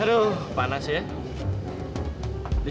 oh ini apaan